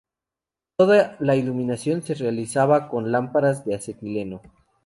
Toda la iluminación se realizaba con lámparas de acetileno.